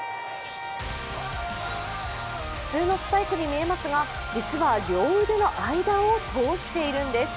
普通のスパイクに見えますが実は両腕の間を通しているんです。